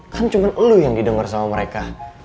kan cuma lu yang didengar sama mereka